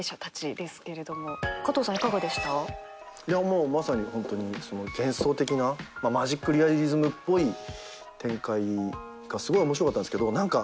もうまさにホントに幻想的なマジックリアリズムっぽい展開がすごい面白かったんですけど。